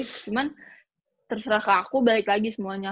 cuman terserah ke aku baik lagi semuanya